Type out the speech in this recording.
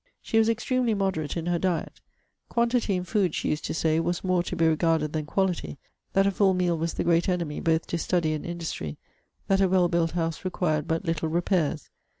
She was extremely moderate in her diet. 'Quantity in food,' she used to say, 'was more to be regarded than quality; that a full meal was the great enemy both to study and industry: that a well built house required but little repairs.'